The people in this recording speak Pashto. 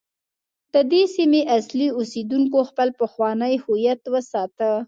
د دې سیمې اصلي اوسیدونکو خپل پخوانی هویت وساته.